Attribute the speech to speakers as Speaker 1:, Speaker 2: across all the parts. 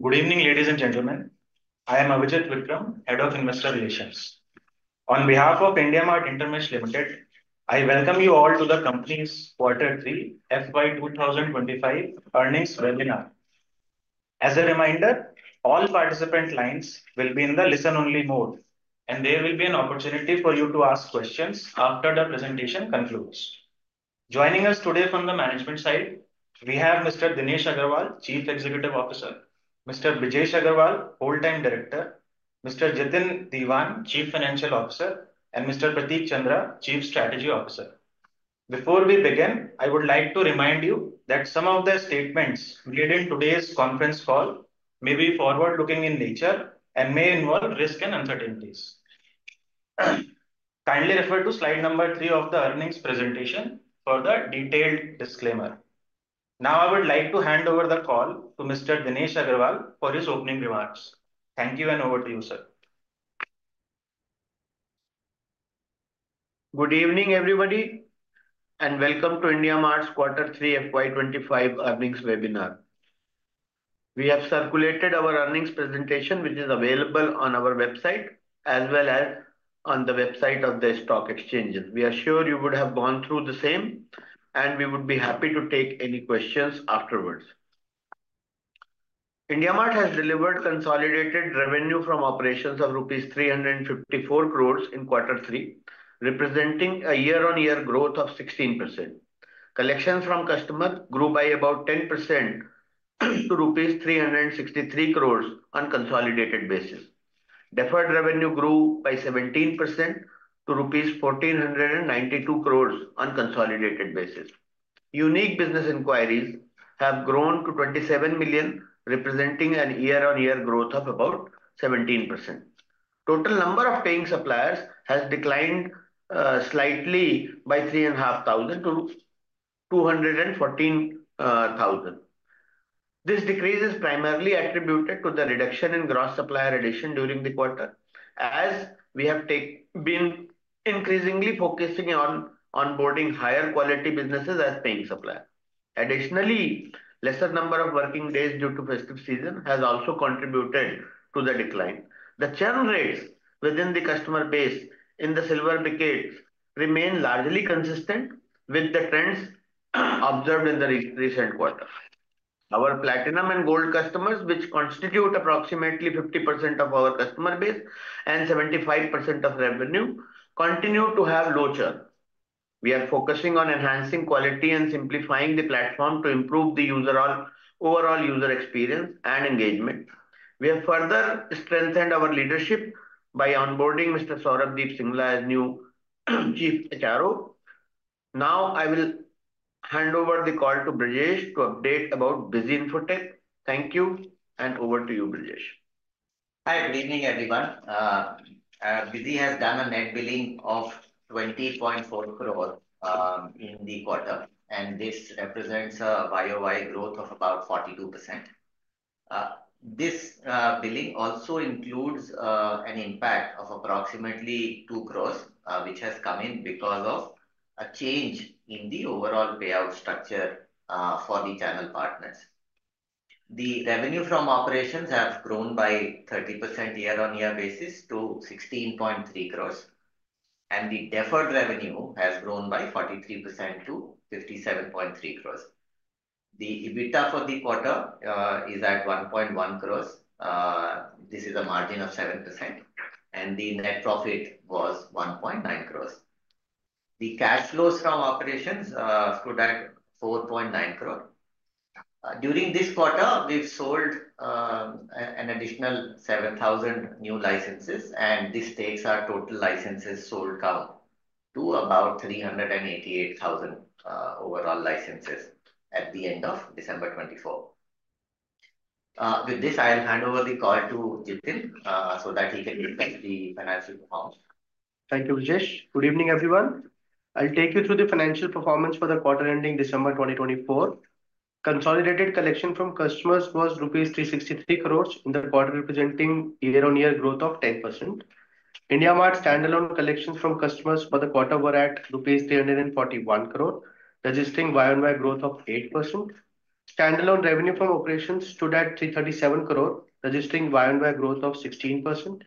Speaker 1: Good evening, ladies and gentlemen. I am Avijit Vikram, Head of Investor Relations. On behalf of IndiaMART InterMESH Limited, I welcome you all to the company's Quarter 3 FY 2025 earnings webinar. As a reminder, all participant lines will be in the listen-only mode, and there will be an opportunity for you to ask questions after the presentation concludes. Joining us today from the management side, we have Mr. Dinesh Agarwal, Chief Executive Officer, Mr. Brijesh Agrawal, Whole Time Director, Mr. Jitin Diwan, Chief Financial Officer, and Mr. Prateek Chandra, Chief Strategy Officer. Before we begin, I would like to remind you that some of the statements made in today's conference call may be forward-looking in nature and may involve risk and uncertainties. Kindly refer to slide number 3 of the earnings presentation for the detailed disclaimer. Now, I would like to hand over the call to Mr. Dinesh Agarwal for his opening remarks. Thank you, and over to you, sir.
Speaker 2: Good evening, everybody, and welcome to IndiaMART's Quarter 3 FY 25 earnings webinar. We have circulated our earnings presentation, which is available on our website as well as on the website of the stock exchanges. We are sure you would have gone through the same, and we would be happy to take any questions afterwards. IndiaMART has delivered consolidated revenue from operations of ₹354 crores in Quarter 3, representing a year-on-year growth of 16%. Collections from customers grew by about 10% to ₹363 crores on a consolidated basis. Deferred revenue grew by 17% to ₹1,492 crores on a consolidated basis. Unique business inquiries have grown to 27 million, representing a year-on-year growth of about 17%. Total number of paying suppliers has declined slightly by 3,500 to 214,000. This decrease is primarily attributed to the reduction in gross supplier addition during the quarter, as we have been increasingly focusing on onboarding higher-quality businesses as paying suppliers. Additionally, the lesser number of working days due to festive season has also contributed to the decline. The churn rates within the customer base in the Silver segment remain largely consistent with the trends observed in the recent quarter. Our Platinum and Gold customers, which constitute approximately 50% of our customer base and 75% of revenue, continue to have low churn. We are focusing on enhancing quality and simplifying the platform to improve the overall user experience and engagement. We have further strengthened our leadership by onboarding Mr. Saurabh Deep Singla as new Chief HR Officer. Now, I will hand over the call to Brijesh to update about Busy Infotech. Thank you, and over to you, Brijesh.
Speaker 3: Hi, good evening, everyone. Busy has done a net billing of 20.4 crore in the quarter, and this represents a YOY growth of about 42%. This billing also includes an impact of approximately 2 crore, which has come in because of a change in the overall payout structure for the channel partners. The revenue from operations has grown by 30% year-on-year basis to 16.3 crore, and the deferred revenue has grown by 43% to 57.3 crore. The EBITDA for the quarter is at 1.1 crore. This is a margin of 7%, and the net profit was 1.9 crore. The cash flows from operations stood at 4.9 crore. During this quarter, we've sold an additional 7,000 new licenses, and this takes our total licenses sold count to about 388,000 overall licenses at the end of December 2024. With this, I'll hand over the call to Jitin so that he can discuss the financial performance.
Speaker 4: Thank you, Brijesh. Good evening, everyone. I'll take you through the financial performance for the quarter ending December 2024. Consolidated collection from customers was rupees 363 crore in the quarter, representing year-on-year growth of 10%. IndiaMART standalone collections from customers for the quarter were at rupees 341 crore, registering YOY growth of 8%. Standalone revenue from operations stood at 337 crore, registering YOY growth of 16%.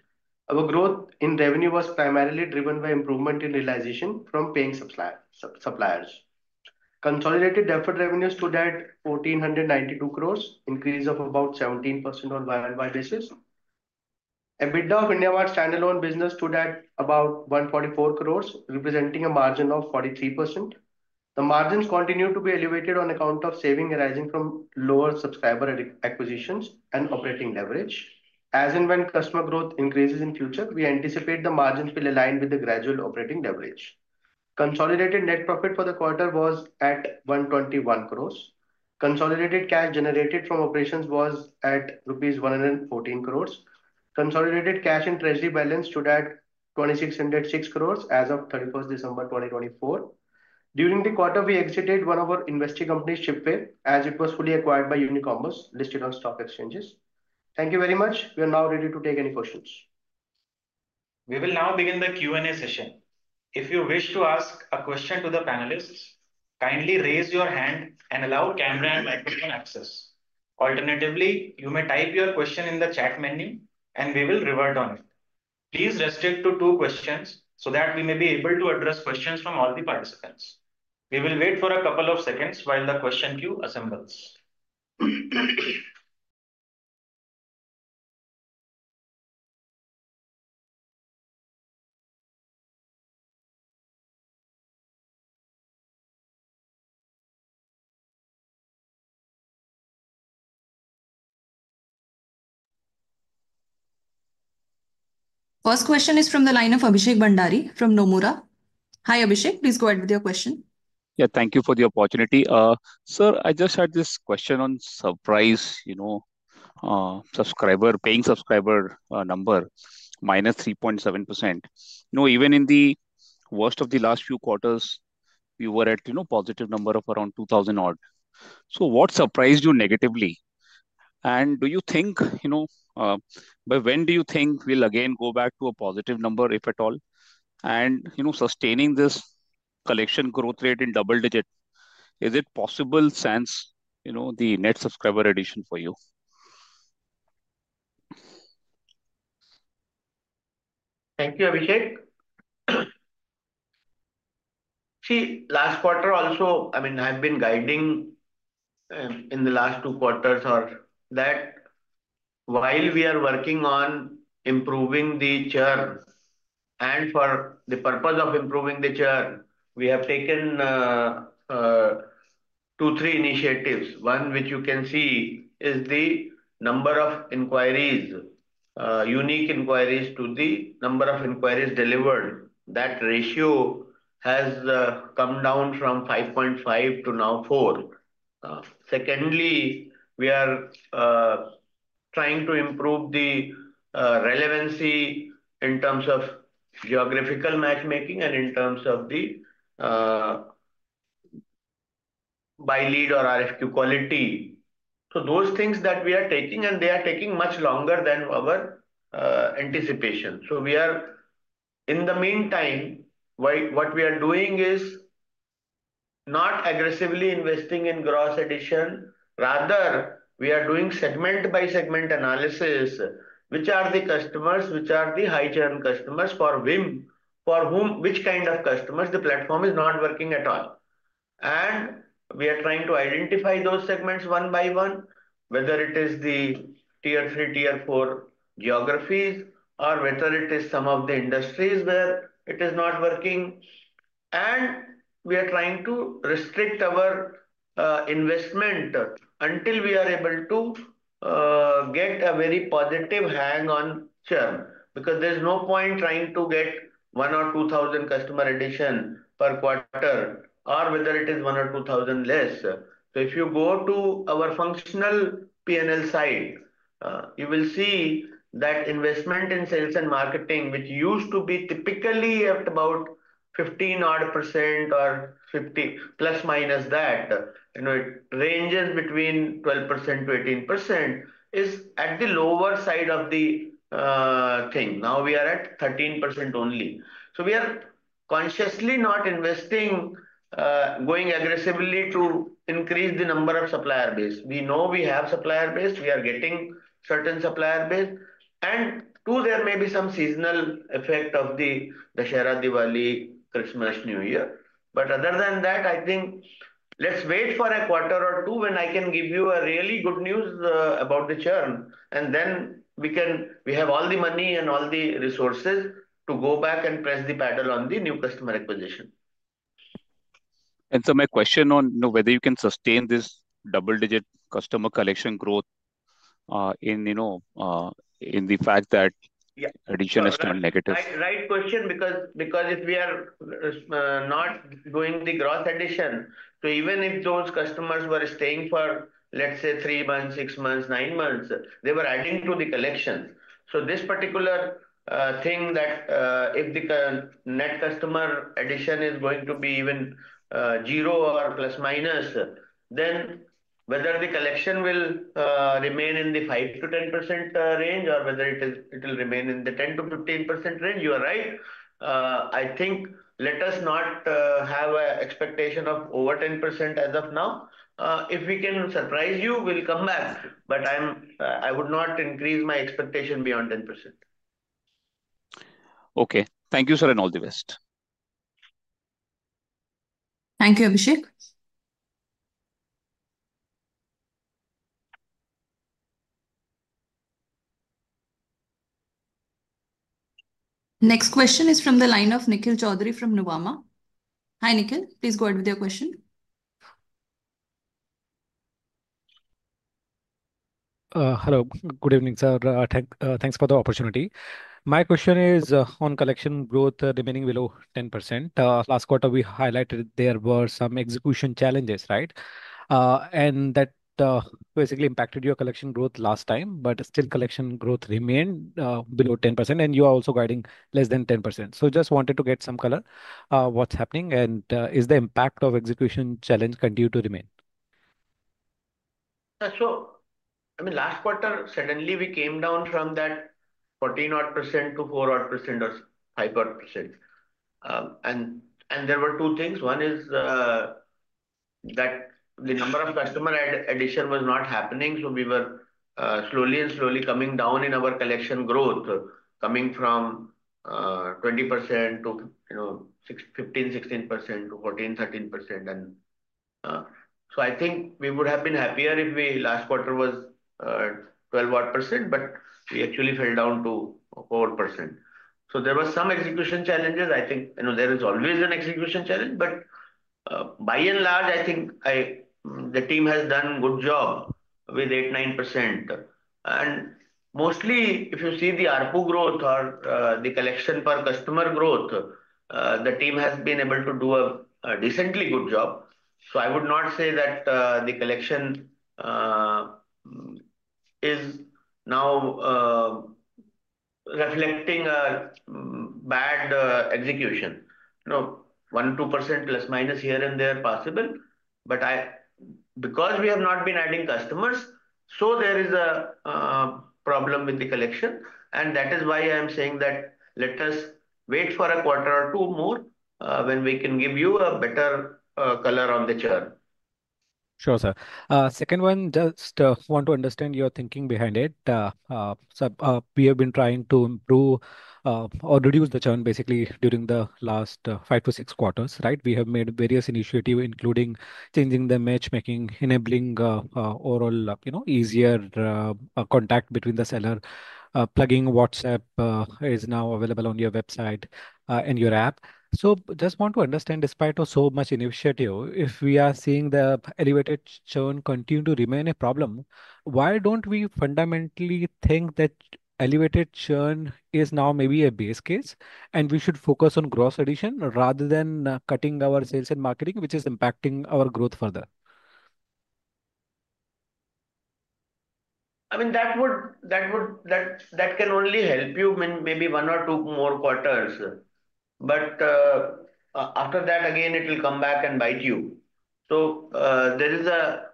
Speaker 4: Our growth in revenue was primarily driven by improvement in realization from paying suppliers. Consolidated deferred revenue stood at 1,492 crore, an increase of about 17% on a YOY basis. EBITDA of IndiaMART standalone business stood at about 144 crore, representing a margin of 43%. The margins continue to be elevated on account of savings arising from lower subscriber acquisitions and operating leverage. As and when customer growth increases in future, we anticipate the margins will align with the gradual operating leverage. Consolidated net profit for the quarter was at ₹121 crore. Consolidated cash generated from operations was at ₹114 crore. Consolidated cash and treasury balance stood at ₹2,606 crore as of 31st December 2024. During the quarter, we exited one of our investing companies, Shipway, as it was fully acquired by Unicommerce, listed on stock exchanges. Thank you very much. We are now ready to take any questions.
Speaker 5: We will now begin the Q&A session. If you wish to ask a question to the panelists, kindly raise your hand and allow camera and microphone access. Alternatively, you may type your question in the chat menu, and we will revert on it. Please restrict to two questions so that we may be able to address questions from all the participants. We will wait for a couple of seconds while the question queue assembles.
Speaker 6: First question is from the line of Abhishek Bhandari from Nomura. Hi, Abhishek. Please go ahead with your question.
Speaker 7: Yeah, thank you for the opportunity. Sir, I just had this question on surprise, you know, paying subscriber number minus 3.7%. Even in the worst of the last few quarters, we were at a positive number of around 2,000 odd. So what surprised you negatively? And do you think, you know, by when do you think we'll again go back to a positive number, if at all? And, you know, sustaining this collection growth rate in double digits, is it possible to see the net subscriber addition for you?
Speaker 2: Thank you, Abhishek. See, last quarter also, I mean, I've been guiding in the last two quarters or that while we are working on improving the churn. And for the purpose of improving the churn, we have taken two, three initiatives. One, which you can see, is the number of inquiries, unique inquiries to the number of inquiries delivered. That ratio has come down from 5.5 to now 4. Secondly, we are trying to improve the relevancy in terms of geographical matchmaking and in terms of the BuyLeads or RFQ quality. So those things that we are taking, and they are taking much longer than our anticipation. So we are, in the meantime, what we are doing is not aggressively investing in gross addition. Rather, we are doing segment-by-segment analysis, which are the customers, which are the high-churn customers, for which kind of customers the platform is not working at all. And we are trying to identify those segments one by one, whether it is the Tier 3, Tier 4 geographies, or whether it is some of the industries where it is not working. And we are trying to restrict our investment until we are able to get a very positive hang on churn. Because there is no point trying to get one or 2,000 customer addition per quarter, or whether it is one or 2,000 less. So if you go to our functional P&L side, you will see that investment in sales and marketing, which used to be typically at about 15-odd% or so, plus minus that, ranges between 12%-18%, is at the lower side of the thing. Now we are at 13% only, so we are consciously not investing, going aggressively to increase the number of supplier base. We know we have supplier base. We are getting certain supplier base. And too, there may be some seasonal effect of the Dussehra Diwali, Christmas, New Year, but other than that, I think let's wait for a quarter or two when I can give you a really good news about the churn. And then we have all the money and all the resources to go back and press the pedal on the new customer acquisition.
Speaker 7: My question is whether you can sustain this double-digit customer collection growth in light of the fact that customer addition has turned negative.
Speaker 2: Right question, because if we are not doing the gross addition, so even if those customers were staying for, let's say, three months, six months, nine months, they were adding to the collection. So this particular thing that if the net customer addition is going to be even zero or plus minus, then whether the collection will remain in the 5%-10% range or whether it will remain in the 10%-15% range, you are right. I think let us not have an expectation of over 10% as of now. If we can surprise you, we'll come back. But I would not increase my expectation beyond 10%.
Speaker 7: Okay. Thank you, sir, and all the best.
Speaker 6: Thank you, Abhishek. Next question is from the line of Nikhil Chaudhary from Nuvama. Hi, Nikhil. Please go ahead with your question.
Speaker 8: Hello. Good evening, sir. Thanks for the opportunity. My question is on collection growth remaining below 10%. Last quarter, we highlighted there were some execution challenges, right? And that basically impacted your collection growth last time, but still collection growth remained below 10%, and you are also guiding less than 10%. So just wanted to get some color on what's happening, and is the impact of execution challenge continued to remain?
Speaker 2: I mean, last quarter, suddenly we came down from that 14-odd% to 4-odd% or 5-odd%. And there were two things. One is that the number of customer addition was not happening, so we were slowly and slowly coming down in our collection growth, coming from 20% to 15%-16% to 14%-13%. And so I think we would have been happier if last quarter was 12-odd%, but we actually fell down to 4%. So there were some execution challenges. I think there is always an execution challenge, but by and large, I think the team has done a good job with 8%-9%. And mostly, if you see the ARPU growth or the collection per customer growth, the team has been able to do a decently good job. So I would not say that the collection is now reflecting a bad execution. 1%-2% plus minus here and there possible, but because we have not been adding customers, so there is a problem with the collection, and that is why I am saying that let us wait for a quarter or two more when we can give you a better color on the churn. Sure, sir. Second one, just want to understand your thinking behind it. So we have been trying to improve or reduce the churn basically during the last five to six quarters, right? We have made various initiatives, including changing the matchmaking, enabling overall easier contact between the seller, plugging WhatsApp is now available on your website and your app. So just want to understand, despite so much initiative, if we are seeing the elevated churn continue to remain a problem, why don't we fundamentally think that elevated churn is now maybe a base case and we should focus on gross addition rather than cutting our sales and marketing, which is impacting our growth further? I mean, that can only help you maybe one or two more quarters. But after that, again, it will come back and bite you. So there is a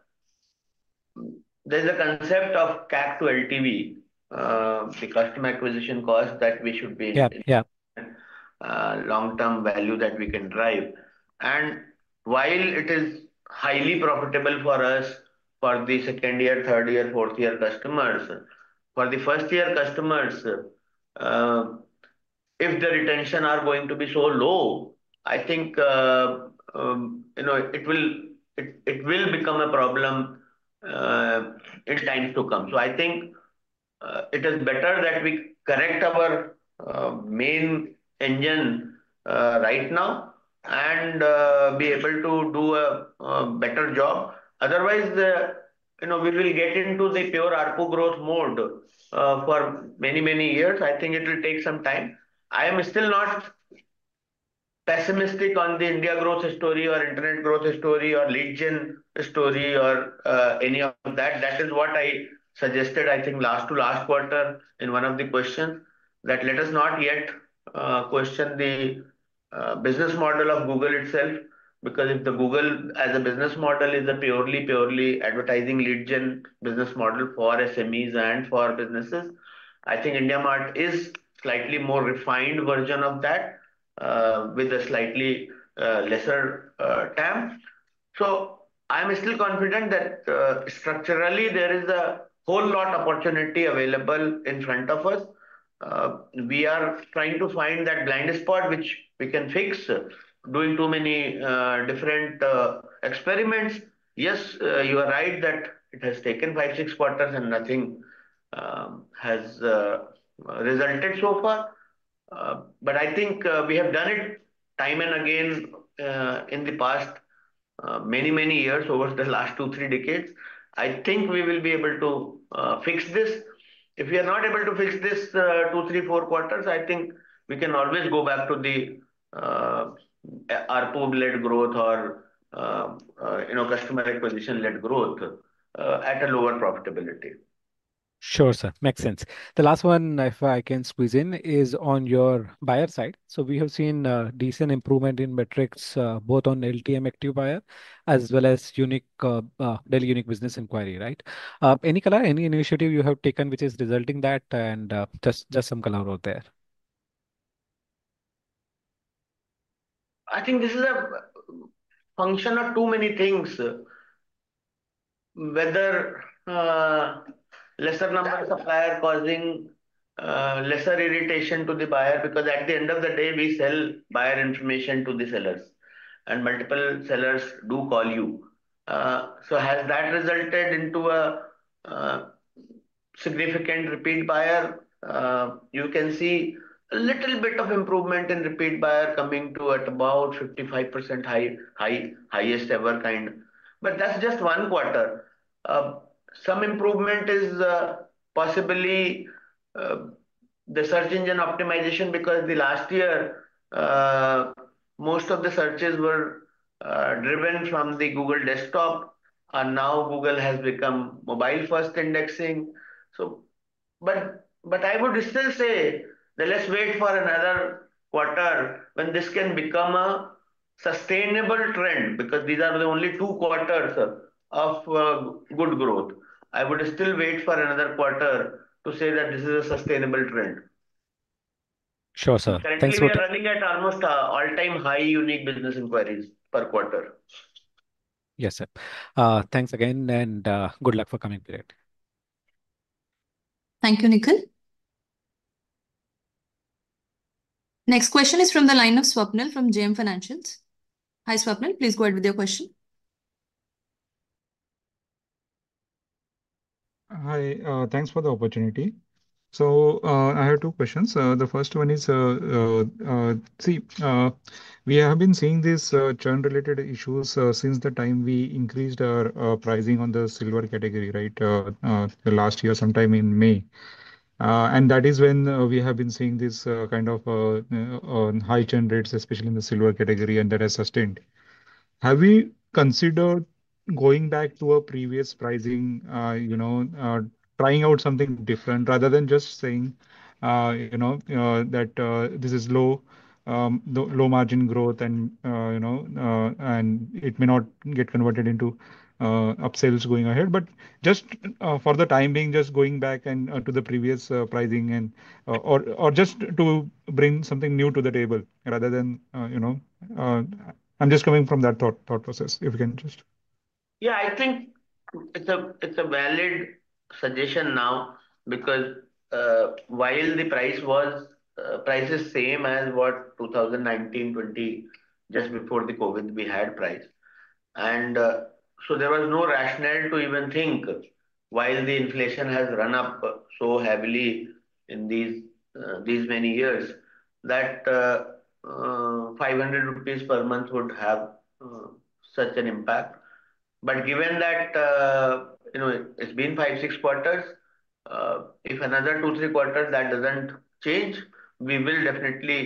Speaker 2: concept of CAC to LTV, the customer acquisition cost that we should be looking at, long-term value that we can drive. And while it is highly profitable for us, for the second year, third year, fourth year customers, for the first year customers, if the retention is going to be so low, I think it will become a problem in times to come. So I think it is better that we correct our main engine right now and be able to do a better job. Otherwise, we will get into the pure ARPU growth mode for many, many years. I think it will take some time. I am still not pessimistic on the India growth story or internet growth story or lead gen story or any of that. That is what I suggested, I think, last to last quarter in one of the questions that let us not yet question the business model of Google itself. Because if Google as a business model is a purely, purely advertising lead gen business model for SMEs and for businesses, I think IndiaMART is a slightly more refined version of that with a slightly lesser time. So I am still confident that structurally there is a whole lot of opportunity available in front of us. We are trying to find that blind spot, which we can fix doing too many different experiments. Yes, you are right that it has taken five, six quarters and nothing has resulted so far. But I think we have done it time and again in the past many, many years over the last two, three decades. I think we will be able to fix this. If we are not able to fix this two, three, four quarters, I think we can always go back to the ARPU-led growth or customer acquisition-led growth at a lower profitability.
Speaker 8: Sure, sir. Makes sense. The last one, if I can squeeze in, is on your buyer side. So we have seen a decent improvement in metrics, both on LTM Active Buyer as well as Daily Unique Business Inquiry, right? Any initiative you have taken which is resulting in that? And just some color out there.
Speaker 2: I think this is a function of too many things, whether lesser number of suppliers causing lesser irritation to the buyer. Because at the end of the day, we sell buyer information to the sellers. And multiple sellers do call you. So has that resulted into a significant repeat buyer? You can see a little bit of improvement in repeat buyer coming to at about 55% highest ever kind. But that's just one quarter. Some improvement is possibly the search engine optimization because the last year, most of the searches were driven from the Google desktop. And now Google has become mobile-first indexing. But I would still say that let's wait for another quarter when this can become a sustainable trend. Because these are the only two quarters of good growth. I would still wait for another quarter to say that this is a sustainable trend.
Speaker 8: Sure, sir. Thanks for.
Speaker 2: We are running at almost all-time high unique business inquiries per quarter.
Speaker 8: Yes, sir. Thanks again and good luck for coming period.
Speaker 6: Thank you, Nikhil. Next question is from the line of Swapnil Potdukhe from JM Financial. Hi, Swapnil. Please go ahead with your question.
Speaker 9: Hi. Thanks for the opportunity. So I have two questions. The first one is, see, we have been seeing these churn-related issues since the time we increased our pricing on the Silver category, right, last year sometime in May. And that is when we have been seeing this kind of high churn rates, especially in the Silver category, and that has sustained. Have we considered going back to a previous pricing, trying out something different rather than just saying that this is low margin growth and it may not get converted into upsells going ahead? But just for the time being, just going back to the previous pricing or just to bring something new to the table rather than I'm just coming from that thought process, if you can just.
Speaker 2: Yeah, I think it's a valid suggestion now because while the price is same as what 2019, 2020, just before the COVID we had price. And so there was no rationale to even think while the inflation has run up so heavily in these many years that 500 rupees per month would have such an impact. But given that it's been five, six quarters, if another two, three quarters that doesn't change, we will definitely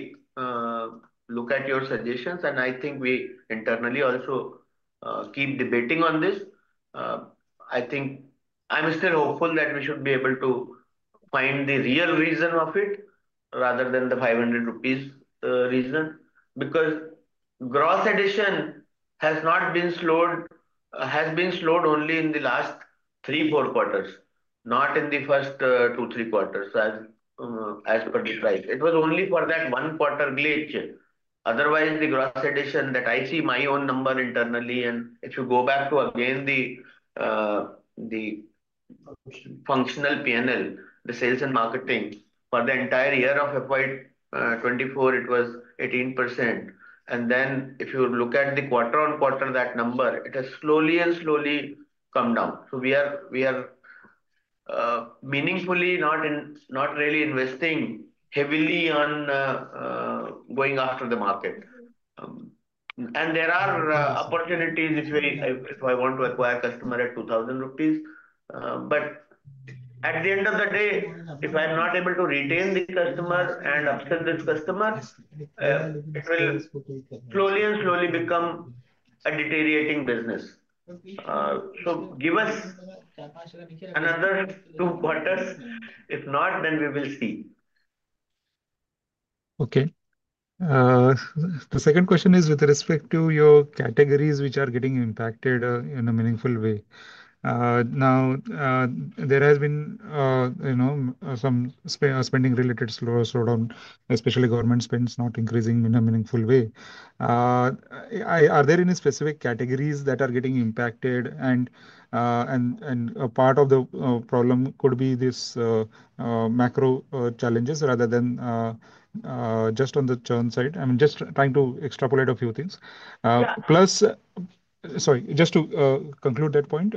Speaker 2: look at your suggestions. And I think we internally also keep debating on this. I think I'm still hopeful that we should be able to find the real reason of it rather than the 500 rupees reason. Because gross addition has not been slowed only in the last three, four quarters, not in the first two, three quarters as per the price. It was only for that one quarter glitch. Otherwise, the gross addition that I see my own number internally, and if you go back to again the functional P&L, the sales and marketing for the entire year of FY24, it was 18%. And then if you look at the quarter on quarter, that number, it has slowly and slowly come down. So we are meaningfully not really investing heavily on going after the market. And there are opportunities if I want to acquire a customer at 2,000 rupees. But at the end of the day, if I'm not able to retain the customer and upsell this customer, it will slowly and slowly become a deteriorating business. So give us another two quarters. If not, then we will see.
Speaker 9: Okay. The second question is with respect to your categories which are getting impacted in a meaningful way. Now, there has been some spending related slowdown, especially government spends not increasing in a meaningful way. Are there any specific categories that are getting impacted? And a part of the problem could be these macro challenges rather than just on the churn side. I mean, just trying to extrapolate a few things. Plus, sorry, just to conclude that point.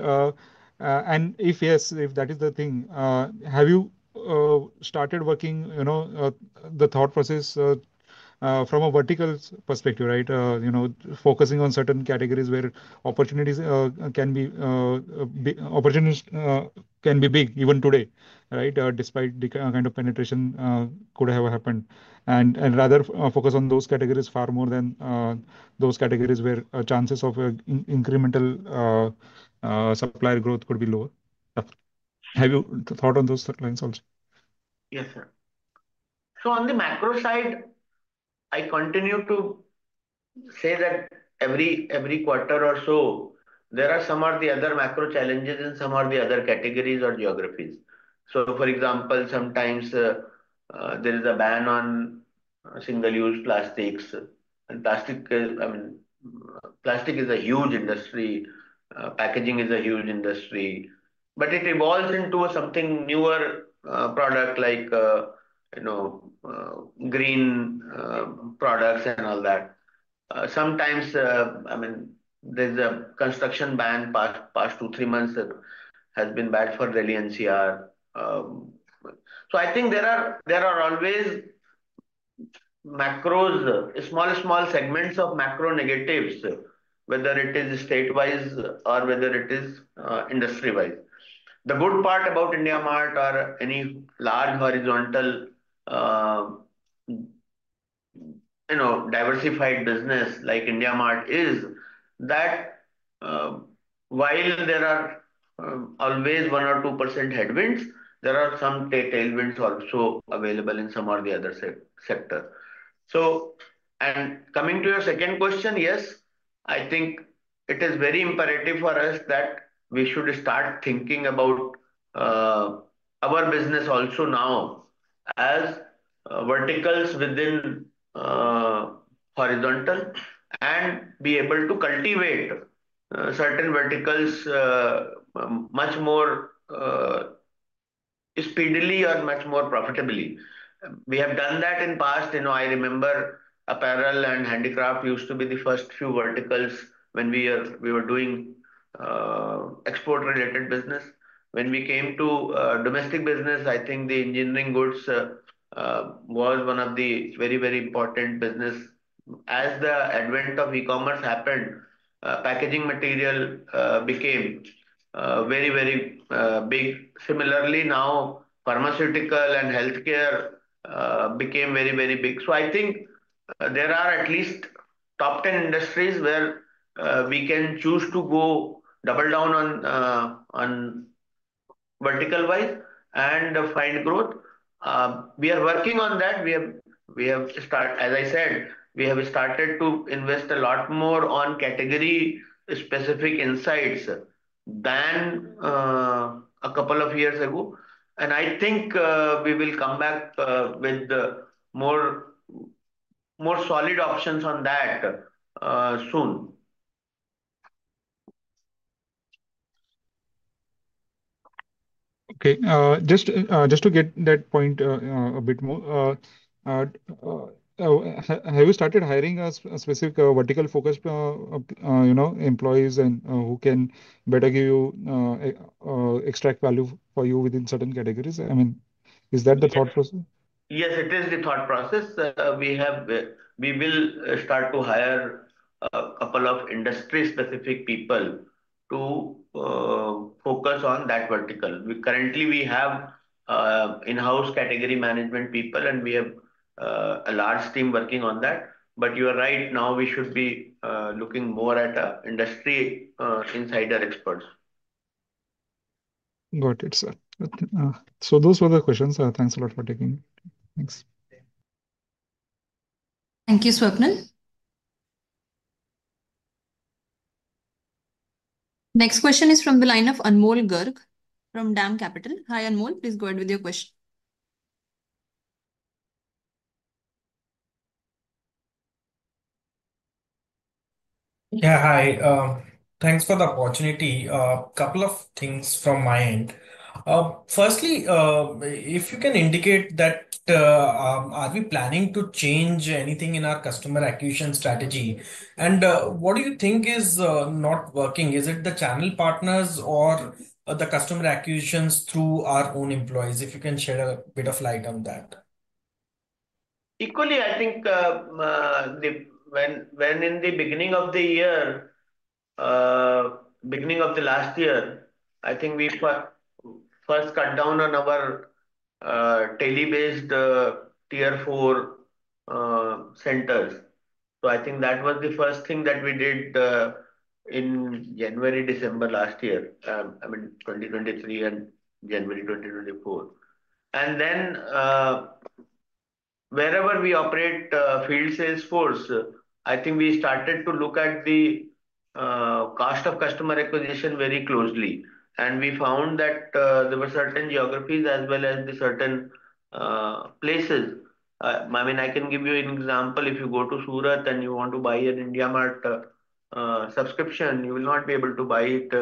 Speaker 9: And if yes, if that is the thing, have you started working the thought process from a vertical perspective, right, focusing on certain categories where opportunities can be big even today, right, despite the kind of penetration could have happened? And rather focus on those categories far more than those categories where chances of incremental supplier growth could be lower. Have you thought on those lines also?
Speaker 2: Yes, sir. So on the macro side, I continue to say that every quarter or so, there are some of the other macro challenges in some of the other categories or geographies. So for example, sometimes there is a ban on single-use plastics. And plastic is a huge industry. Packaging is a huge industry. But it evolves into something newer product like green products and all that. Sometimes, I mean, there's a construction ban past two, three months that has been bad for Delhi NCR. So I think there are always macros, small, small segments of macro negatives, whether it is statewise or whether it is industry-wise. The good part about IndiaMART or any large horizontal diversified business like IndiaMART is that while there are always one or 2% headwinds, there are some tailwinds also available in some of the other sectors. So coming to your second question, yes, I think it is very imperative for us that we should start thinking about our business also now as verticals within horizontal and be able to cultivate certain verticals much more speedily or much more profitably. We have done that in the past. I remember Apparel and Handicraft used to be the first few verticals when we were doing export-related business. When we came to domestic business, I think the engineering goods was one of the very, very important businesses. As the advent of e-commerce happened, packaging material became very, very big. Similarly, now pharmaceutical and healthcare became very, very big. So I think there are at least top 10 industries where we can choose to go double down on vertical-wise and find growth. We are working on that. As I said, we have started to invest a lot more on category-specific insights than a couple of years ago. And I think we will come back with more solid options on that soon.
Speaker 9: Okay. Just to get that point a bit more, have you started hiring specific vertical-focused employees who can better give you extra value for you within certain categories? I mean, is that the thought process?
Speaker 2: Yes, it is the thought process. We will start to hire a couple of industry-specific people to focus on that vertical. Currently, we have in-house category management people, and we have a large team working on that. But you are right. Now we should be looking more at industry insider experts.
Speaker 9: Got it, sir. So those were the questions. Thanks a lot for taking it. Thanks.
Speaker 6: Thank you, Swapnil. Next question is from the line of Anmol Garg from DAM Capital. Hi, Anmol. Please go ahead with your question.
Speaker 10: Yeah, hi. Thanks for the opportunity. A couple of things from my end. Firstly, if you can indicate that are we planning to change anything in our customer acquisition strategy? And what do you think is not working? Is it the channel partners or the customer acquisitions through our own employees? If you can shed a bit of light on that.
Speaker 2: Equally, I think when in the beginning of the year, beginning of the last year, I think we first cut down on our daily-based Tier 4 centers. So I think that was the first thing that we did in January, December last year, I mean, 2023 and January 2024, and then wherever we operate field sales force, I think we started to look at the cost of customer acquisition very closely, and we found that there were certain geographies as well as the certain places. I mean, I can give you an example. If you go to Surat and you want to buy an IndiaMART subscription, you will not be able to buy it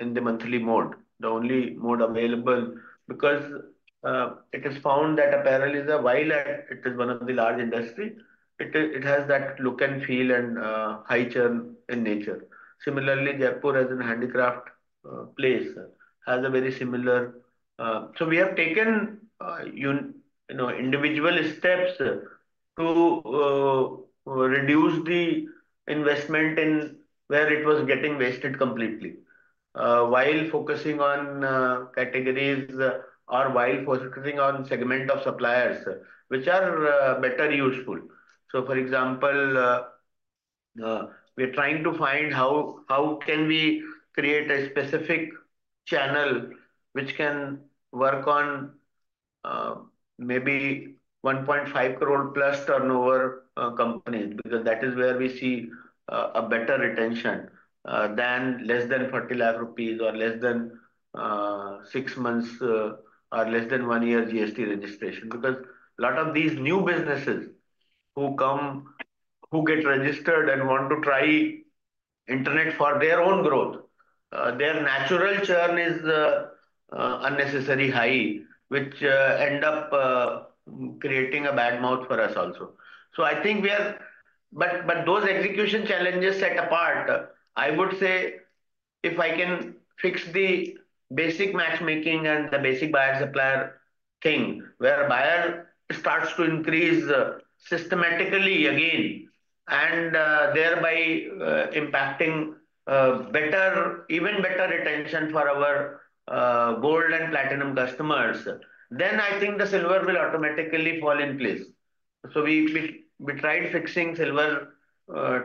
Speaker 2: in the monthly mode, the only mode available. Because it is found that apparel is a wild. It is one of the large industries. It has that look and feel and high churn in nature. Similarly, Jaipur as a handicraft place has a very similar. So we have taken individual steps to reduce the investment in where it was getting wasted completely while focusing on categories or while focusing on segment of suppliers which are better useful. So for example, we are trying to find how can we create a specific channel which can work on maybe 1.5 crore plus turnover companies. Because that is where we see a better retention than less than 40 lakh rupees or less than six months or less than one year GST registration. Because a lot of these new businesses who get registered and want to try internet for their own growth, their natural churn is unnecessary high, which ends up creating a bad mouth for us also. So I think we are. But those execution challenges set apart, I would say, if I can fix the basic matchmaking and the basic buyer-supplier thing where buyer starts to increase systematically again and thereby impacting even better retention for our Gold and Platinum customers, then I think the Silver will automatically fall in place. So we tried fixing Silver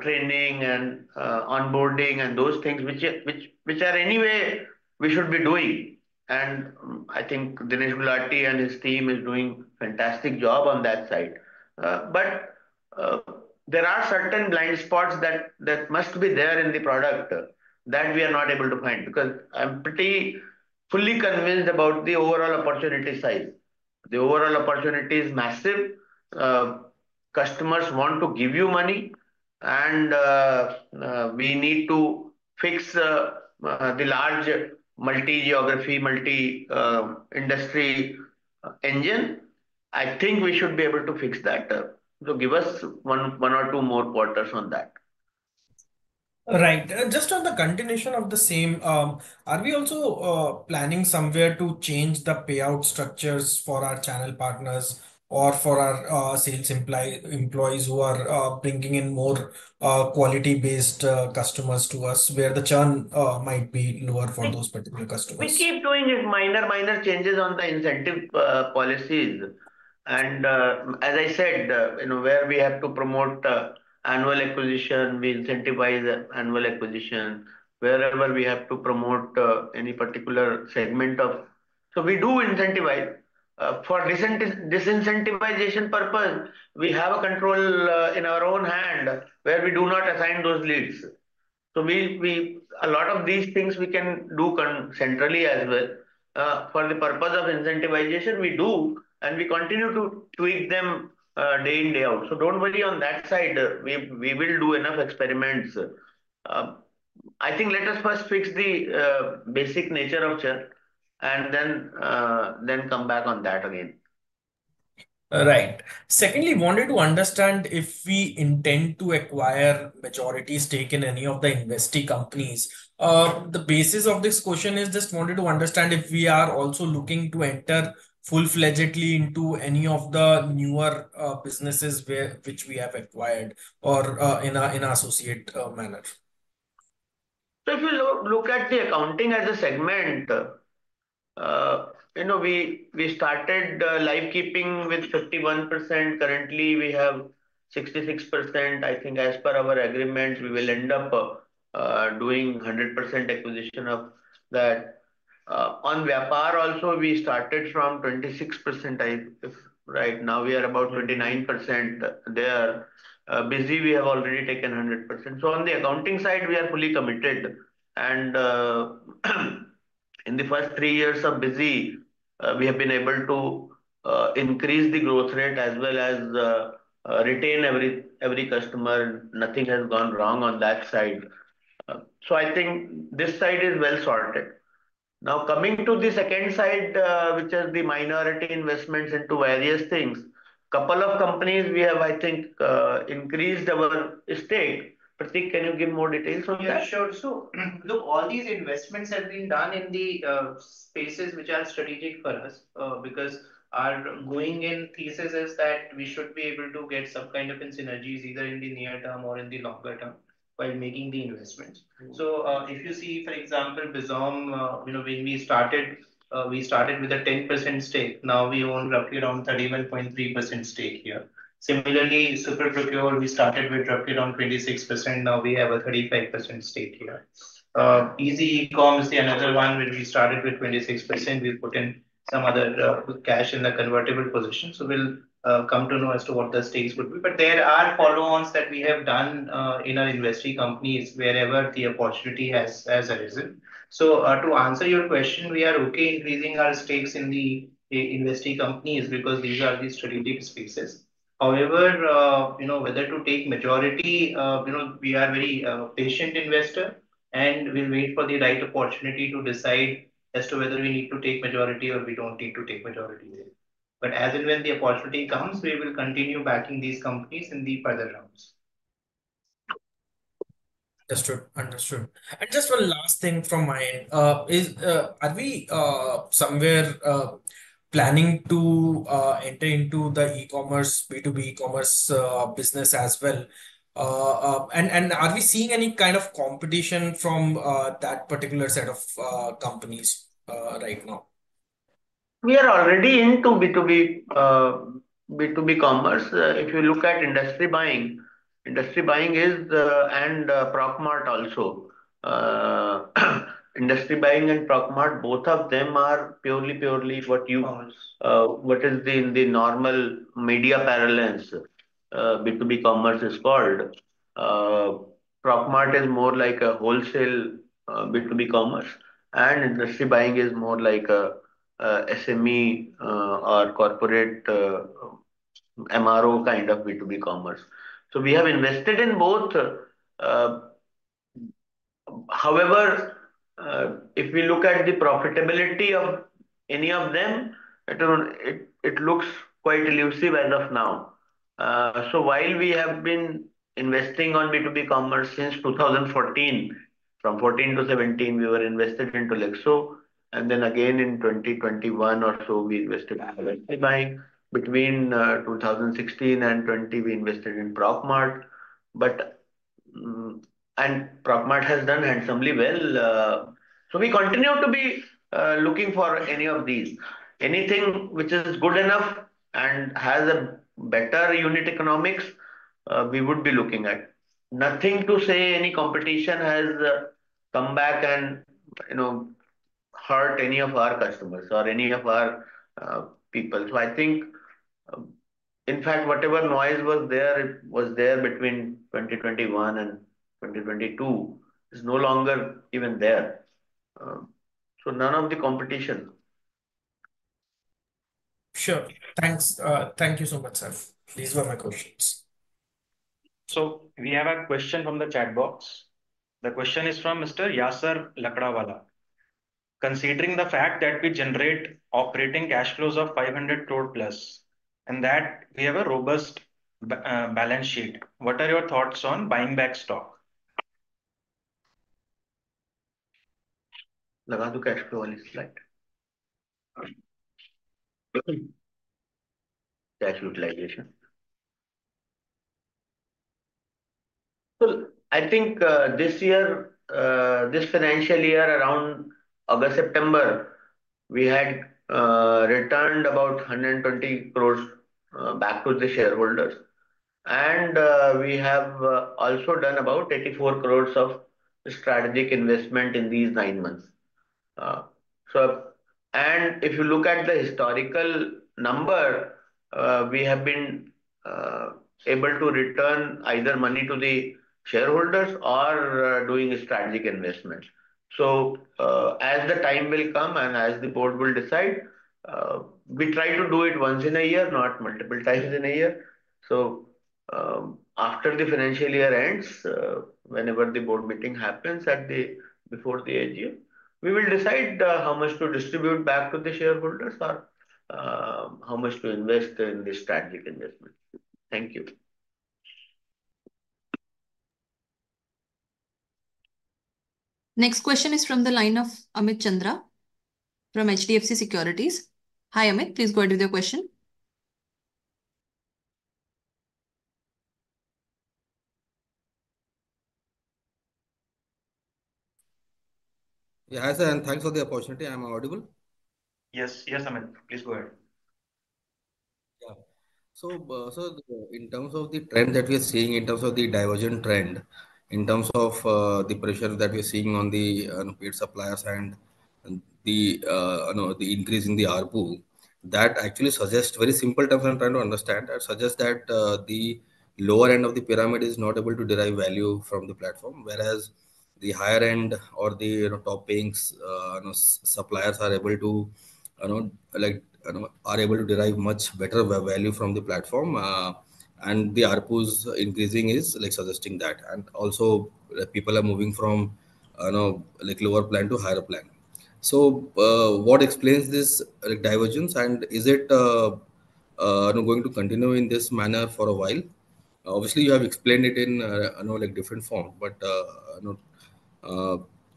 Speaker 2: training and onboarding and those things which are anyway we should be doing. And I think Dinesh Gulati and his team is doing a fantastic job on that side. But there are certain blind spots that must be there in the product that we are not able to find. Because I'm pretty fully convinced about the overall opportunity size. The overall opportunity is massive. Customers want to give you money. And we need to fix the large multi-geography, multi-industry engine. I think we should be able to fix that. So give us one or two more quarters on that.
Speaker 10: Right. Just on the continuation of the same, are we also planning somewhere to change the payout structures for our channel partners or for our sales employees who are bringing in more quality-based customers to us where the churn might be lower for those particular customers?
Speaker 2: We keep doing minor changes on the incentive policies, and as I said, where we have to promote annual acquisition, we incentivize annual acquisition. Wherever we have to promote any particular segment of, so we do incentivize. For this incentivization purpose, we have a control in our own hand where we do not assign those leads, so a lot of these things we can do centrally as well. For the purpose of incentivization, we do, and we continue to tweak them day in, day out, so don't worry on that side. We will do enough experiments. I think, let us first fix the basic nature of churn and then come back on that again.
Speaker 10: Right. Secondly, wanted to understand if we intend to acquire majority stake in any of the investee companies. The basis of this question is just wanted to understand if we are also looking to enter full-fledgedly into any of the newer businesses which we have acquired or in an associate manner.
Speaker 2: So if you look at the accounting as a segment, we started Livekeeping with 51%. Currently, we have 66%. I think as per our agreement, we will end up doing 100% acquisition of that. On Vyapar also, we started from 26%. Right now, we are about 29% there. Busy, we have already taken 100%. So on the accounting side, we are fully committed. And in the first three years of Busy, we have been able to increase the growth rate as well as retain every customer. Nothing has gone wrong on that side. So I think this side is well sorted. Now coming to the second side, which is the minority investments into various things, a couple of companies we have, I think, increased our stake. Prateek, can you give more details on that?
Speaker 11: Yeah, sure. So look, all these investments have been done in the spaces which are strategic for us. Because our going in thesis is that we should be able to get some kind of synergies either in the near term or in the longer term while making the investments. So if you see, for example, Bizom, when we started, we started with a 10% stake. Now we own roughly around 31.3% stake here. Similarly, SuperProcure, we started with roughly around 26%. Now we have a 35% stake here. EasyEcom is the another one where we started with 26%. We've put in some other cash in the convertible position. So we'll come to know as to what the stakes would be. But there are follow-ons that we have done in our investee companies wherever the opportunity has arisen. So to answer your question, we are okay increasing our stakes in the investee companies because these are the strategic spaces. However, whether to take majority, we are a very patient investor, and we'll wait for the right opportunity to decide as to whether we need to take majority or we don't need to take majority there. But as and when the opportunity comes, we will continue backing these companies in the further rounds.
Speaker 10: Understood. Understood. And just one last thing from my end. Are we somewhere planning to enter into the e-commerce, B2B e-commerce business as well? And are we seeing any kind of competition from that particular set of companies right now?
Speaker 2: We are already into B2B commerce. If you look at Industrybuying, Industrybuying and ProcMart also, Industrybuying and ProcMart, both of them are purely what is the normal media parallels B2B commerce is called. ProcMart is more like a wholesale B2B commerce, and Industrybuying is more like SME or corporate MRO kind of B2B commerce. So we have invested in both. However, if we look at the profitability of any of them, it looks quite elusive as of now. So while we have been investing on B2B commerce since 2014, from 2014 to 2017, we were invested into Tolexo, and then again in 2021 or so, we invested in Industrybuying. Between 2016 and 2020, we invested in ProcMart. And ProcMart has done handsomely well. So we continue to be looking for any of these. Anything which is good enough and has a better unit economics, we would be looking at. Nothing to say any competition has come back and hurt any of our customers or any of our people. So I think, in fact, whatever noise was there, it was there between 2021 and 2022. It's no longer even there. So none of the competition.
Speaker 10: Sure. Thanks. Thank you so much, sir. These were my questions.
Speaker 5: So we have a question from the chat box. The question is from Mr. Yasir Lakrawala. Considering the fact that we generate operating cash flows of 500 crore plus, and that we have a robust balance sheet, what are your thoughts on buying back stock? Laga do cash flow only slide. Cash utilization.
Speaker 2: So I think this year, this financial year, around August, September, we had returned about 120 crores back to the shareholders. And we have also done about 84 crores of strategic investment in these nine months. And if you look at the historical number, we have been able to return either money to the shareholders or doing strategic investments. So as the time will come and as the board will decide, we try to do it once in a year, not multiple times in a year. So after the financial year ends, whenever the board meeting happens before the new year, we will decide how much to distribute back to the shareholders or how much to invest in the strategic investment.
Speaker 5: Thank you.
Speaker 6: Next question is from the line of Amit Chandra from HDFC Securities. Hi, Amit. Please go ahead with your question.
Speaker 12: Yeah, hi, sir. And thanks for the opportunity. I'm audible?
Speaker 2: Yes. Yes, Amit. Please go ahead.
Speaker 12: So, in terms of the trend that we are seeing, in terms of the divergent trend, in terms of the pressure that we are seeing on the suppliers and the increase in the ARPU, that actually suggests very simple terms, I'm trying to understand. That suggests that the lower end of the pyramid is not able to derive value from the platform, whereas the higher end or the top paying suppliers are able to derive much better value from the platform. And the ARPU's increasing is suggesting that. And also, people are moving from lower plan to higher plan. So what explains this divergence? And is it going to continue in this manner for a while? Obviously, you have explained it in different forms. But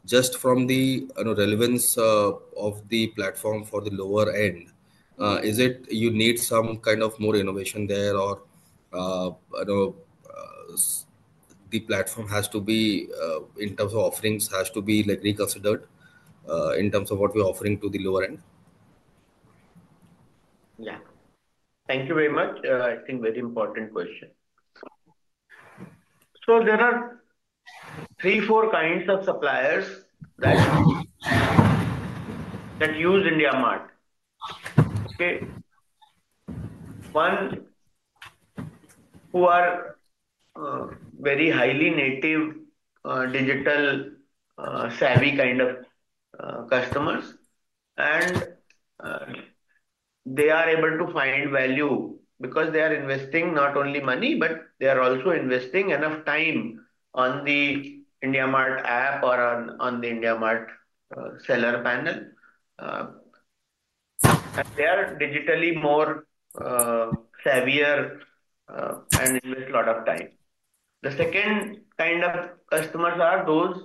Speaker 12: just from the relevance of the platform for the lower end, is it you need some kind of more innovation there or the platform has to be, in terms of offerings, has to be reconsidered in terms of what we are offering to the lower end?
Speaker 2: Yeah. Thank you very much. I think very important question. So there are three, four kinds of suppliers that use IndiaMART. Okay. One who are very highly native digital savvy kind of customers. And they are able to find value because they are investing not only money, but they are also investing enough time on the IndiaMART app or on the IndiaMART seller panel. And they are digitally more savvier and invest a lot of time. The second kind of customers are those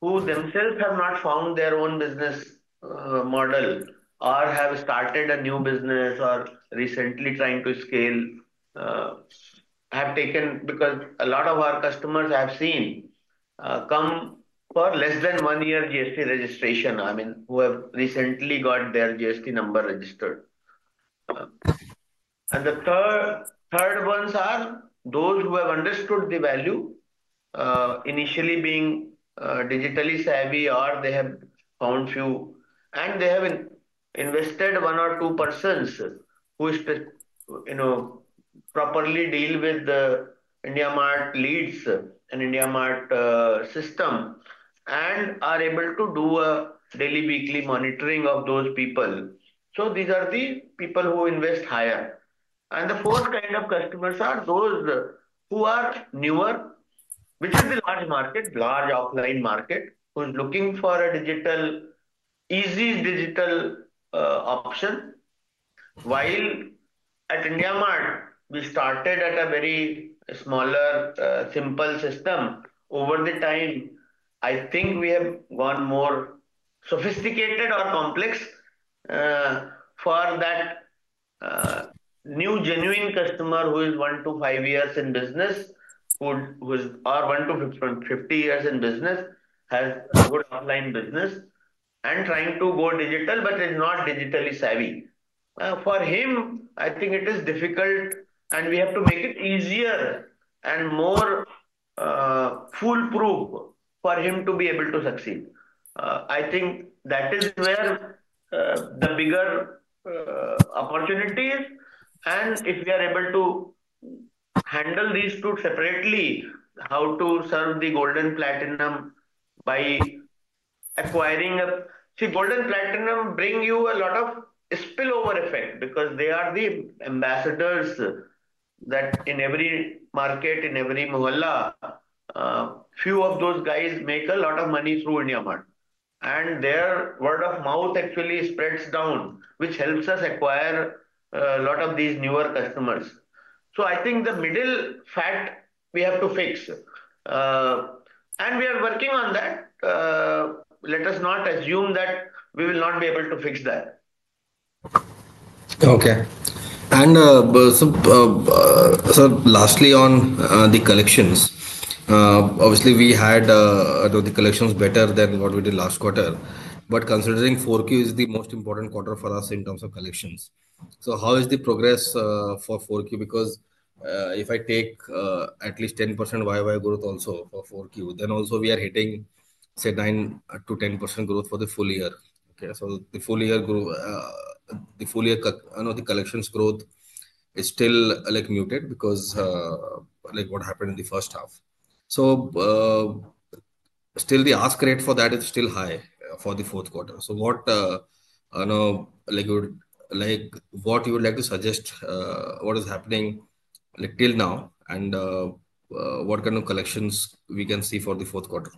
Speaker 2: who themselves have not found their own business model or have started a new business or recently trying to scale, have taken because a lot of our customers have since come for less than one year GST registration, I mean, who have recently got their GST number registered. And the third ones are those who have understood the value, initially being digitally savvy, or they have found few, and they have invested one or two persons who properly deal with the IndiaMART leads and IndiaMART system and are able to do a daily, weekly monitoring of those people. So these are the people who invest higher. And the fourth kind of customers are those who are newer, which is the large market, large offline market, who is looking for a digital, easy digital option. While at IndiaMART, we started at a very smaller, simple system. Over the time, I think we have gone more sophisticated or complex for that new genuine customer who is one to five years in business or one to 50 years in business, has a good offline business and trying to go digital, but is not digitally savvy. For him, I think it is difficult, and we have to make it easier and more foolproof for him to be able to succeed. I think that is where the bigger opportunity is, and if we are able to handle these two separately, how to serve the Gold and Platinum by acquiring SMEs. Gold and Platinum bring you a lot of spillover effect because they are the ambassadors that in every market, in every mohalla, few of those guys make a lot of money through IndiaMART, and their word of mouth actually spreads down, which helps us acquire a lot of these newer customers, so I think the middle part, we have to fix, and we are working on that. Let us not assume that we will not be able to fix that.
Speaker 12: Okay. And sir, lastly on the collections, obviously, we had the collections better than what we did last quarter. But considering 4Q is the most important quarter for us in terms of collections. So how is the progress for 4Q? Because if I take at least 10% YY growth also for 4Q, then also we are hitting, say, 9 to 10% growth for the full year. Okay. So the full year growth, the full year collections growth is still muted because what happened in the first half. So still the ask rate for that is still high for the fourth quarter. So what you would like to suggest what is happening till now and what kind of collections we can see for the fourth quarter?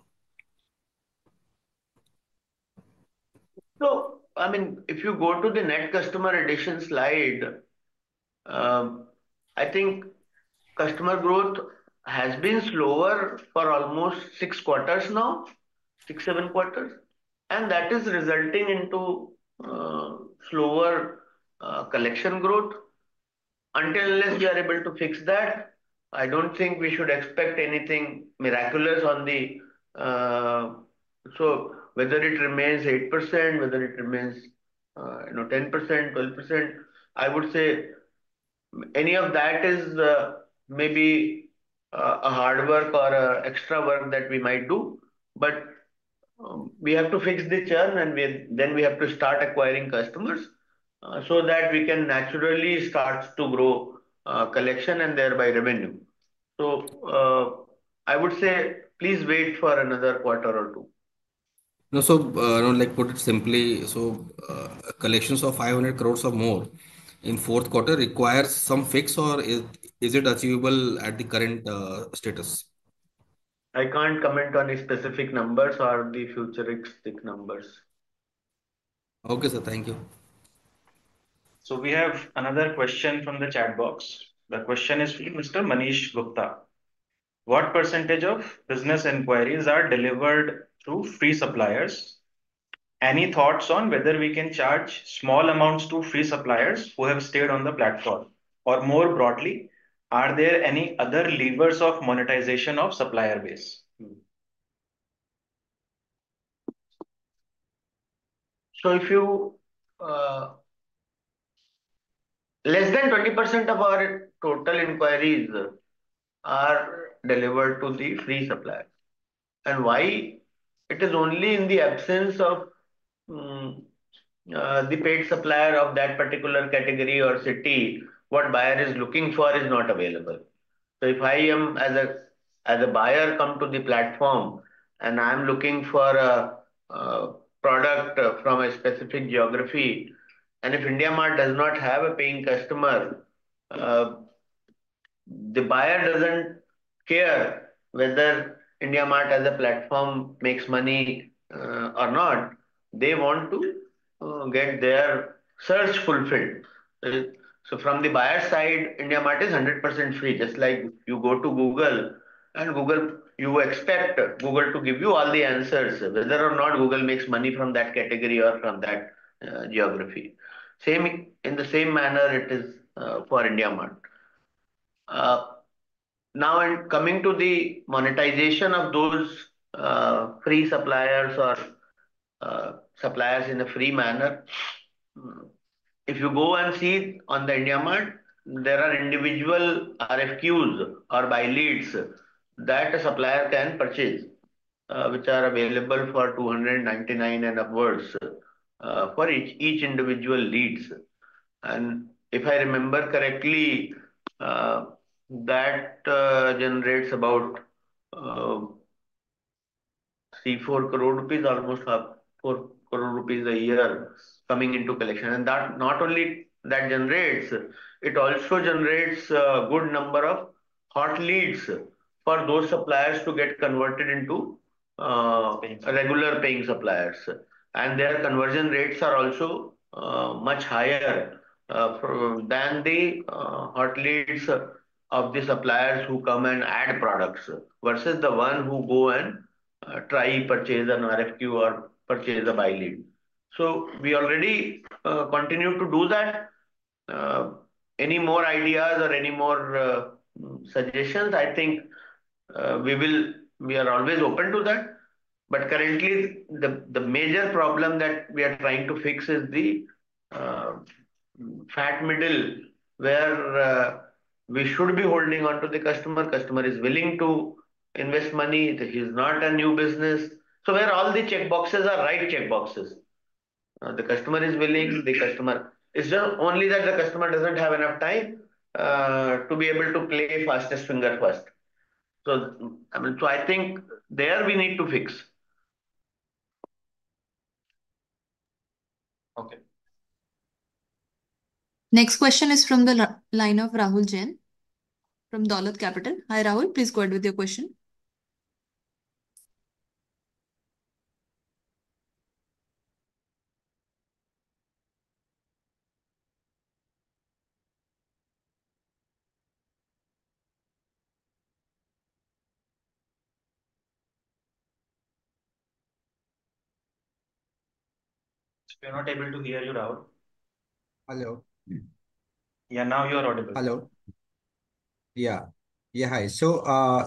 Speaker 4: So, I mean, if you go to the net customer addition slide, I think customer growth has been slower for almost six quarters now, six, seven quarters. And that is resulting into slower collection growth. Until we are able to fix that, I don't think we should expect anything miraculous on the, so whether it remains 8%, whether it remains 10%, 12%. I would say any of that is maybe a hard work or extra work that we might do. But we have to fix the churn, and then we have to start acquiring customers so that we can naturally start to grow collection and thereby revenue. So I would say, please wait for another quarter or two.
Speaker 12: So put it simply, so collections of 500 crores or more in fourth quarter requires some fix, or is it achievable at the current status?
Speaker 4: I can't comment on specific numbers or the futuristic numbers.
Speaker 12: Okay, sir. Thank you.
Speaker 5: So we have another question from the chat box. The question is from Mr. Manish Gupta. What percentage of business inquiries are delivered through free suppliers? Any thoughts on whether we can charge small amounts to free suppliers who have stayed on the platform? Or more broadly, are there any other levers of monetization of supplier base?
Speaker 2: Less than 20% of our total inquiries are delivered to the free suppliers. And why? It is only in the absence of the paid supplier of that particular category or city. What buyer is looking for is not available. So if I am, as a buyer, come to the platform and I'm looking for a product from a specific geography, and if IndiaMART does not have a paying customer, the buyer doesn't care whether IndiaMART as a platform makes money or not. They want to get their search fulfilled. So from the buyer's side, IndiaMART is 100% free. Just like you go to Google, and you expect Google to give you all the answers, whether or not Google makes money from that category or from that geography. In the same manner, it is for IndiaMART. Now, coming to the monetization of those free suppliers or suppliers in a free manner, if you go and see on the IndiaMART, there are individual RFQs or BuyLeads that a supplier can purchase, which are available for 299 and upwards for each individual leads, and if I remember correctly, that generates about three to four crore rupees, almost four crore rupees a year coming into collection, and not only that generates, it also generates a good number of hot leads for those suppliers to get converted into regular paying suppliers, and their conversion rates are also much higher than the hot leads of the suppliers who come and add products versus the one who go and try to purchase an RFQ or purchase a buy lead, so we already continue to do that. Any more ideas or any more suggestions, I think we are always open to that. But currently, the major problem that we are trying to fix is the fat middle where we should be holding on to the customer. Customer is willing to invest money. He's not a new business. So where all the checkboxes are right checkboxes, the customer is willing. It's just only that the customer doesn't have enough time to be able to play fastest finger first. So I think there we need to fix.
Speaker 5: Okay.
Speaker 6: Next question is from the line of Rahul Jain from Dolat Capital. Hi, Rahul. Please go ahead with your question.
Speaker 2: We are not able to hear you, Rahul. Hello. Yeah, now you are audible. Hello. Yeah. Yeah, hi. So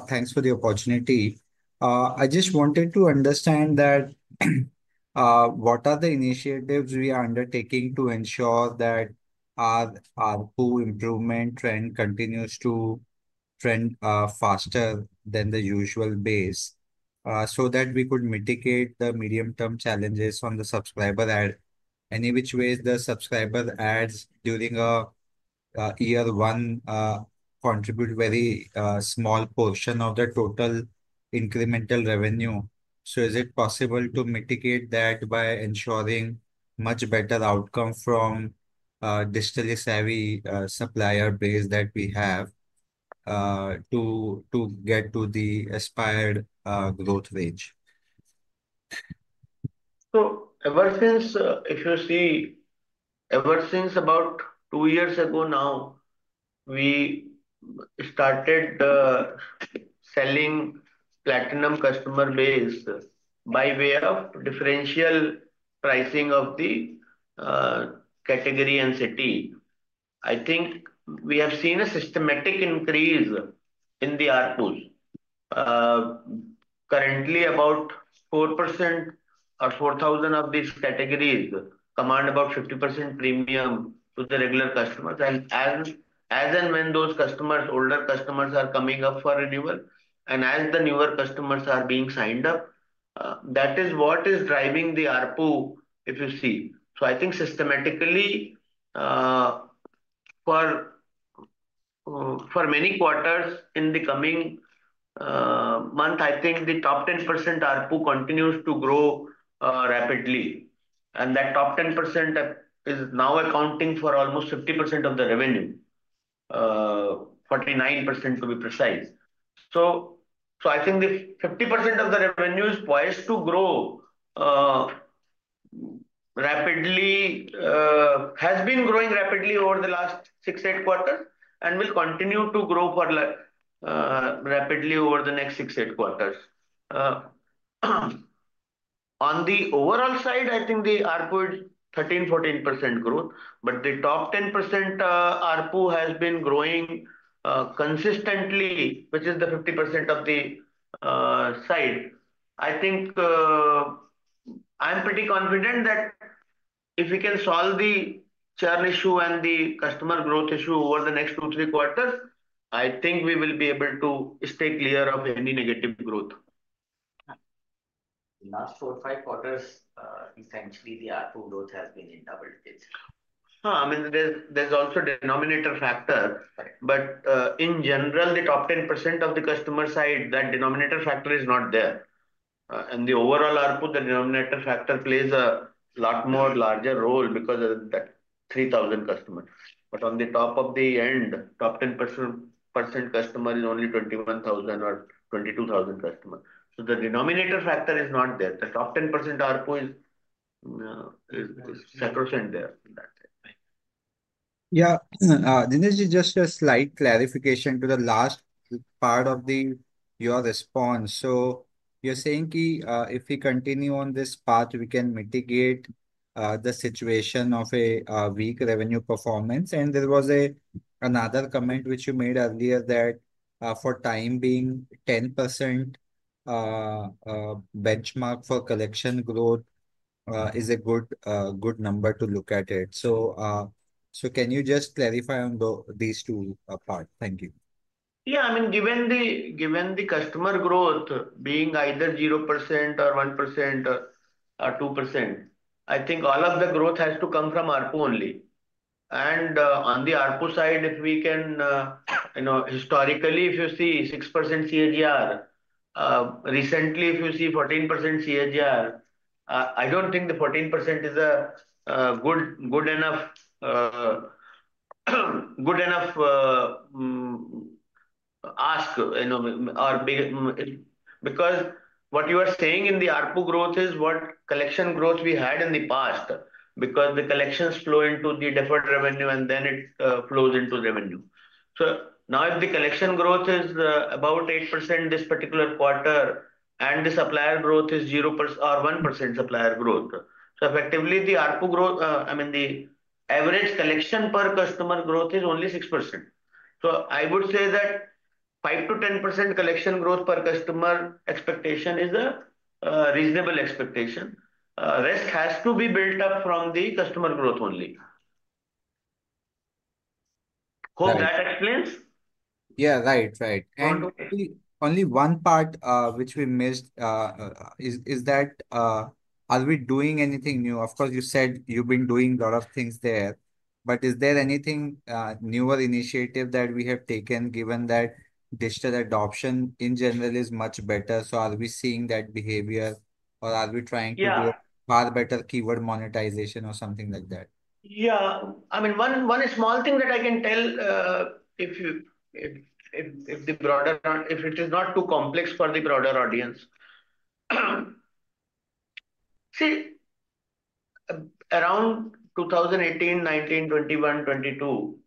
Speaker 2: thanks for the opportunity. I just wanted to understand that what are the initiatives we are undertaking to ensure that our ARPU improvement trend continues to trend faster than the usual base so that we could mitigate the medium-term challenges on the subscriber ad? In which ways does subscriber ads during year one contribute a very small portion of the total incremental revenue? So is it possible to mitigate that by ensuring much better outcome from a digitally savvy supplier base that we have to get to the aspired growth range? Ever since, if you see, ever since about two years ago now, we started selling Platinum customer base by way of differential pricing of the category and city. I think we have seen a systematic increase in the ARPUs. Currently, about 4% or 4,000 of these categories command about 50% premium to the regular customers. And as and when those customers, older customers, are coming up for renewal, and as the newer customers are being signed up, that is what is driving the ARPU, if you see. I think systematically, for many quarters in the coming month, the top 10% ARPU continues to grow rapidly. And that top 10% is now accounting for almost 50% of the revenue, 49% to be precise. I think the 50% of the revenues poised to grow rapidly has been growing rapidly over the last six-eight quarters and will continue to grow rapidly over the next six-eight quarters. On the overall side, I think the ARPU is 13%-14% growth. But the top 10% ARPU has been growing consistently, which is the 50% of the side. I think I'm pretty confident that if we can solve the churn issue and the customer growth issue over the next two-three quarters, I think we will be able to stay clear of any negative growth.
Speaker 3: Last four or five quarters, essentially, the ARPU growth has been in double digits.
Speaker 2: I mean, there's also denominator factor. But in general, the top 10% of the customer side, that denominator factor is not there. In the overall ARPU, the denominator factor plays a lot more larger role because of that 3,000 customers. But on the top of the end, top 10% customer is only 21,000 or 22,000 customers. So the denominator factor is not there. The top 10% ARPU is sacrosanct there.
Speaker 13: Yeah. Dinesh, just a slight clarification to the last part of your response. So you're saying if we continue on this path, we can mitigate the situation of a weak revenue performance. And there was another comment which you made earlier that for time being, 10% benchmark for collection growth is a good number to look at it. So can you just clarify on these two parts? Thank you.
Speaker 2: Yeah. I mean, given the customer growth being either 0% or 1% or 2%, I think all of the growth has to come from ARPU only, and on the ARPU side, if we can historically, if you see 6% CAGR, recently, if you see 14% CAGR, I don't think the 14% is a good enough ask because what you are saying in the ARPU growth is what collection growth we had in the past because the collections flow into the deferred revenue, and then it flows into revenue, so now if the collection growth is about 8% this particular quarter and the supplier growth is 0% or 1% supplier growth, so effectively, the ARPU growth, I mean, the average collection per customer growth is only 6%, so I would say that 5%-10% collection growth per customer expectation is a reasonable expectation. Rest has to be built up from the customer growth only. Hope that explains.
Speaker 13: Yeah, right, right. And only one part which we missed is that are we doing anything new? Of course, you said you've been doing a lot of things there. But is there anything newer initiative that we have taken given that digital adoption in general is much better? So are we seeing that behavior, or are we trying to do far better keyword monetization or something like that?
Speaker 2: Yeah. I mean, one small thing that I can tell if it is not too complex for the broader audience. See, around 2018, 2019, 2021, 2022,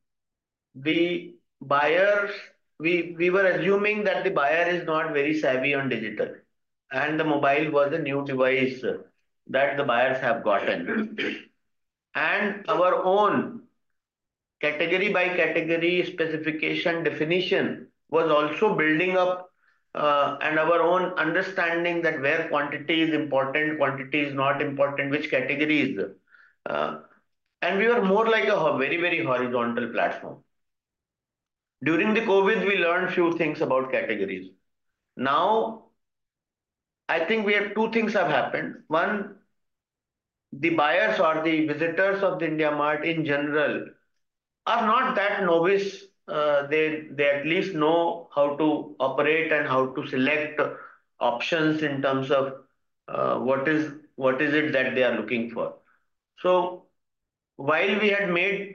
Speaker 2: we were assuming that the buyer is not very savvy on digital, and the mobile was a new device that the buyers have gotten, and our own category-by-category specification definition was also building up and our own understanding that where quantity is important, quantity is not important, which categories, and we were more like a very, very horizontal platform. During the COVID, we learned a few things about categories. Now, I think two things have happened. One, the buyers or the visitors of the IndiaMART in general are not that novice. They at least know how to operate and how to select options in terms of what is it that they are looking for. While we had made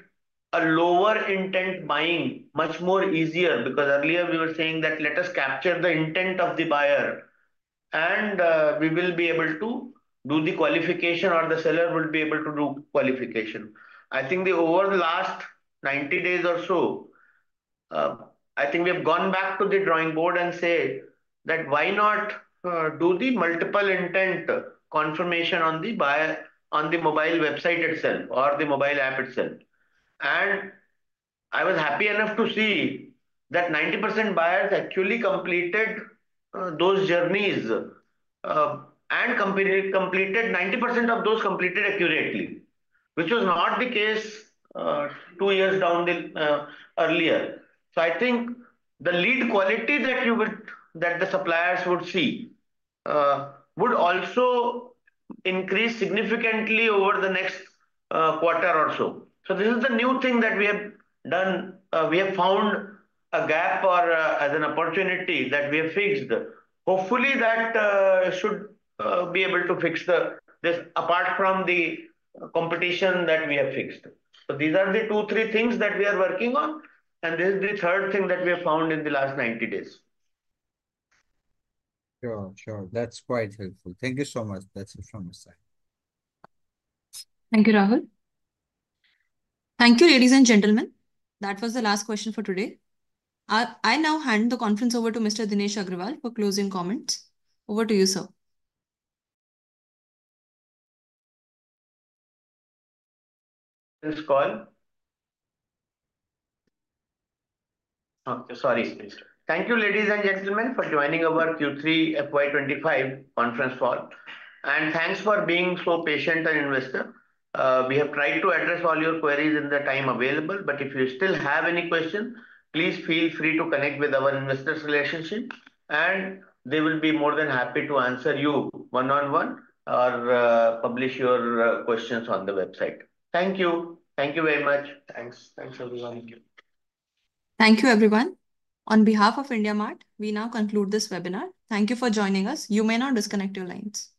Speaker 2: a lower intent buying much more easier because earlier we were saying that let us capture the intent of the buyer, and we will be able to do the qualification or the seller will be able to do qualification. I think over the last 90 days or so, I think we have gone back to the drawing board and said that why not do the multiple intent confirmation on the mobile website itself or the mobile app itself. I was happy enough to see that 90% buyers actually completed those journeys and 90% of those completed accurately, which was not the case two years down earlier. I think the lead quality that the suppliers would see would also increase significantly over the next quarter or so. This is the new thing that we have done. We have found a gap or an opportunity that we have fixed. Hopefully, that should be able to fix this apart from the competition that we have fixed. So these are the two, three things that we are working on. And this is the third thing that we have found in the last 90 days.
Speaker 13: Sure, sure. That's quite helpful. Thank you so much. That's it from my side.
Speaker 6: Thank you, Rahul. Thank you, ladies and gentlemen. That was the last question for today. I now hand the conference over to Mr. Dinesh Agarwal for closing comments. Over to you, sir.
Speaker 2: Thank you, ladies and gentlemen, for joining our Q3 FY25 conference call. Thanks for being so patient and invested. We have tried to address all your queries in the time available. If you still have any questions, please feel free to connect with our Investor Relations. They will be more than happy to answer you one-on-one or publish your questions on the website. Thank you. Thank you very much.
Speaker 5: Thanks. Thanks, everyone.
Speaker 6: Thank you. Thank you, everyone. On behalf of IndiaMART, we now conclude this webinar. Thank you for joining us. You may now disconnect your lines.